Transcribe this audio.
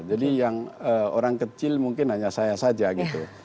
jadi yang orang kecil mungkin hanya saya saja gitu